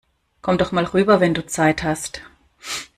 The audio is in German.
Komm doch mal rüber, wenn du Zeit hast!